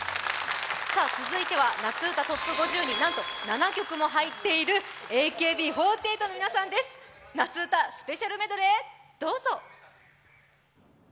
続いては夏うたＴＯＰ５０になんと７曲も入っているＡＫＢ４８の皆さんです、夏うたスペシャルメドレーどうぞ。